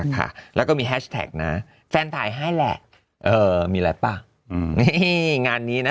ค่ะแล้วก็มีแฮชแท็กนะแฟนถ่ายให้แหละเออมีอะไรป่ะอืมนี่งานนี้นะ